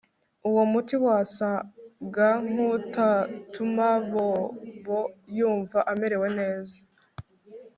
Uwo muti wasaga nkutatuma Bobo yumva amerewe neza